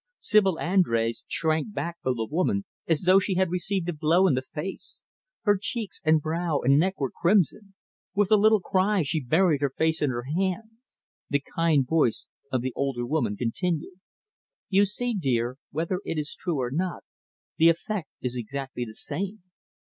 Sibyl Andrés shrank back from the woman as though she had received a blow in the face. Her cheeks and brow and neck were crimson. With a little cry, she buried her face in her hands. The kind voice of the older woman continued, "You see, dear, whether it is true or not, the effect is exactly the same.